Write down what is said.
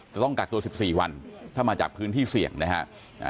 จะต้องกักตัว๑๔วันถ้ามาจากพื้นที่เสี่ยงนะฮะ